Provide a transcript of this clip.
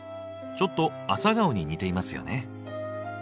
ちょっとアサガオに似ていますよね。